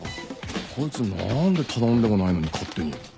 こいつ何で頼んでもないのに勝手に？